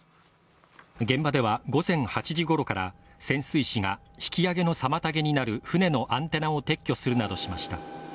現場では午前８時ごろから潜水士が引き揚げの妨げになる船のアンテナを撤去するなどしました。